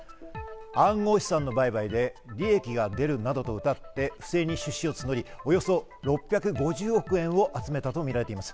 暗号資産の売買で利益が出るなどとうたって不正に出資を募り、およそ６５０億円を集めたとみられています。